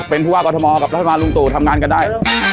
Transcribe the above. เป็นผู้ว่ากฎธมองค์กับผู้ว่ากฎธมองค์ลุงตู่ทำงานกันได้